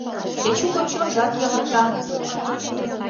Эчукын чонжат йывырта.